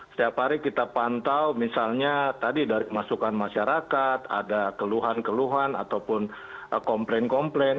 setiap hari kita pantau misalnya tadi dari masukan masyarakat ada keluhan keluhan ataupun komplain komplain